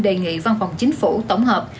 đề nghị văn phòng chính phủ tổng hợp